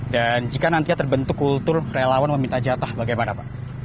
dan jika nanti terbentuk kultur relawan meminta jatah bagaimana pak